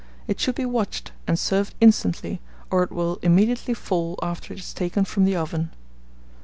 It should be watched, and served instantly, or it will immediately fall after it is taken from the oven.